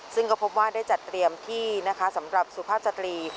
ซึ่งก็พบว่าได้จัดเตรียมที่นะคะสำหรับสุภาพสตรี